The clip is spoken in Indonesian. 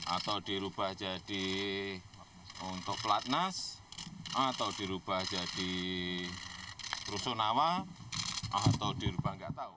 atau dirubah jadi untuk pelatnas atau dirubah jadi rusunawa atau dirubah nggak tahu